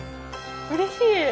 うれしい。